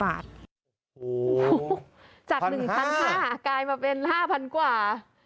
๑๕๐๐บาทจาก๑๕๐๐บาทกลายมาเป็น๕๐๐๐กว่า